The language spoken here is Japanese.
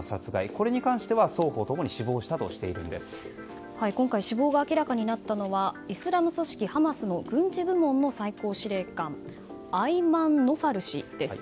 これに関しては双方共に今回死亡が明らかになったのはイスラム組織ハマスの軍事部門の最高司令官のアイマン・ノファル氏です。